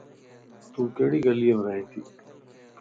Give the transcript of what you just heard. تون ڪھڙي گليم رئين تي؟